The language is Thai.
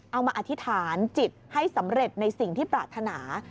มาอธิษฐานจิตให้สำเร็จในสิ่งที่ปรารถนา